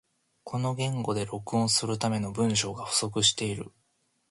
この言語で録音するための文章が不足している